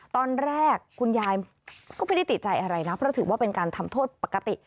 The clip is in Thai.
ตอนแรกคุณยายก็ไม่ได้ติดใจอะไรนะเพราะถือว่าเป็นการทำโทษปกติ